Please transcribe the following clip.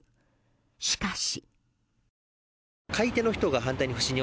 しかし。